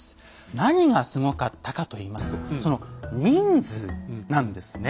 何がすごかったかといいますとその人数なんですね。